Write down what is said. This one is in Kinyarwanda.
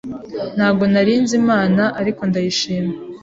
ntago nari nzi Imana ariko ndayishima